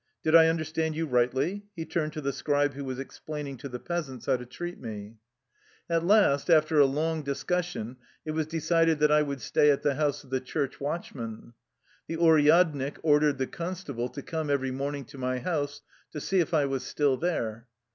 Did I understand you rightly?" He turned to the scribe who was explaining to the peasants how to treat me. 9 Head man. 100 THE LIFE STORY OF A RUSSIAN EXILE At last, after a long discussion, it was decided that I would stay at the house of the church watchman. The uryadnik ordered the constable to come every morning to my house to see if I was still there.